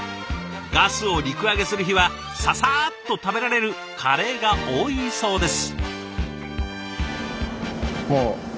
ガスを陸揚げする日はささっと食べられるカレーが多いそうです。